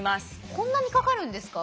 こんなにかかるんですか。